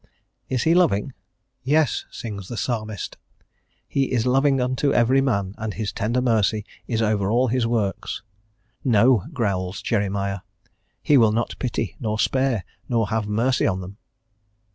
Is He loving? "Yes," sings the Psalmist. "He is loving unto every man, and His tender mercy is over all His works." "No," growls Jeremiah. "He will not pity, nor spare, nor have mercy on them."